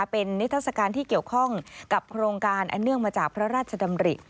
เป็นนิทัศกาลที่เกี่ยวข้องกับโครงการอันเนื่องมาจากพระราชดำริ